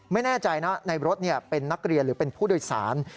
ไม่แน่ใจนะในรถเป็นนักเรียนหรือเป็นผู้โดยสาร